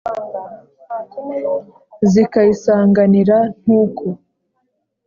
Zikayisanganira Ntuku*.